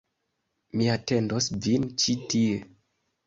Mi atendos vin ĉi tie